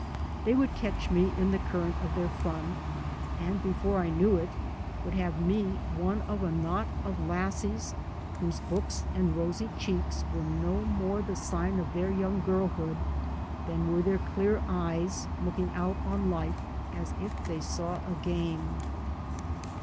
They would catch me in the current of their fun, and 3 by Google MY MOTHER AND 1 before I knew it, would have me one of a knot of lassies whose books and rosy checks were no more the sign of their young girl hood than were their clear eyes looking out on life as if they saw. a game.